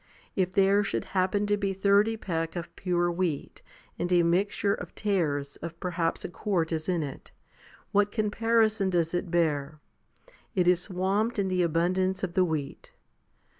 If there should happen to be thirty peck of pure wheat, and a mixture of tares of perhaps a quart * is in it, what comparison does it bear ? It is swamped in the abundance of the wheat.